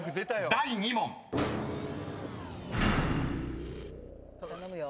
第２問］頼むよ。